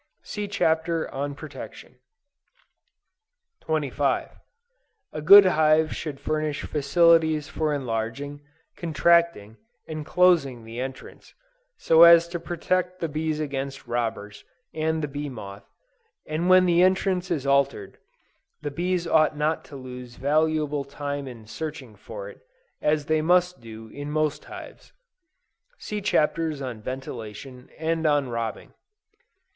(See Chapter on Protection.) 25. A good hive should furnish facilities for enlarging, contracting, and closing the entrance; so as to protect the bees against robbers, and the bee moth; and when the entrance is altered, the bees ought not to lose valuable time in searching for it, as they must do in most hives. (See Chapters on Ventilation, and on Robbing.)